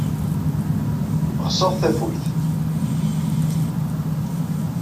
Xseɣ tafuyt.